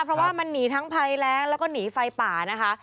เพราะว่ามันหนีทั้งภัยแรงแล้วก็หนีไฟป่านะคะ